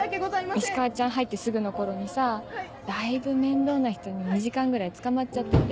石川ちゃん入ってすぐの頃にさだいぶ面倒な人に２時間ぐらいつかまっちゃってて。